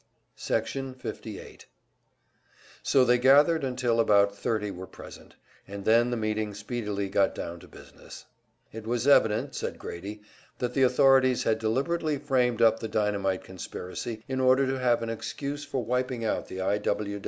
Section 58 So they gathered, until about thirty were present, and then the meeting speedily got down to business. It was evident, said Grady, that the authorities had deliberately framed up the dynamite conspiracy, in order to have an excuse for wiping out the I.